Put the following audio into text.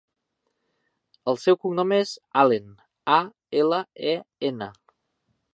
El seu cognom és Alen: a, ela, e, ena.